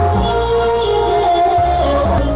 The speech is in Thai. เพลง